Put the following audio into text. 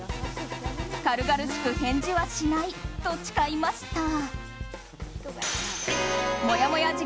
軽々しく返事はしないと誓いました。